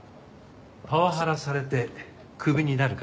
パワハラされてクビになるからです。